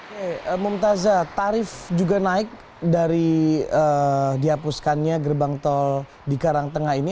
oke mumtaza tarif juga naik dari dihapuskannya gerbang tol di karangtengah ini